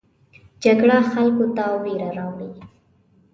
جګړه خلکو ته ویره راوړي